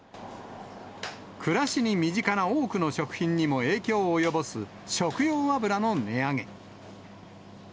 暮らしに身近な多くの食品にも影響を及ぼす食用油の値上げ。